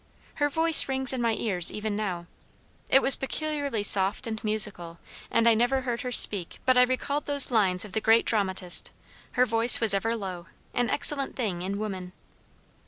Her voice rings in my ears even now. It was peculiarly soft and musical, and I never heard her speak but I recalled those lines of the great dramatist, 'Her voice was ever low, an excellent thing in woman.'